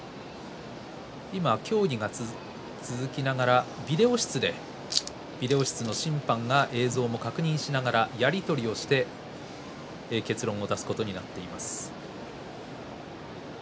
協議が続きながらビデオ室でビデオ室の審判がビデオを確認しながら、やり取りをして結論を出すことになっています。